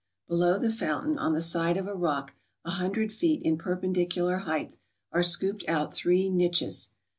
Below the fountain, on the side of a rock a hundred feet in perpendicular height, are scooped out three niches.